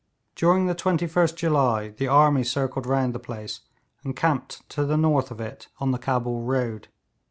During the 21st July the army circled round the place, and camped to the north of it on the Cabul road.